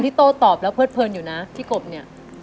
โต้ตอบแล้วเพิดเพลินอยู่นะพี่กบเนี่ย